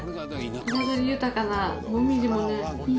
彩り豊かなもみじもね。